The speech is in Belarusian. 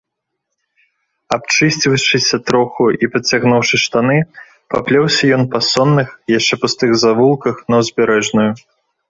Абчысціўшыся троху і падцягнуўшы штаны, паплёўся ён па сонных, яшчэ пустых завулках на ўзбярэжную.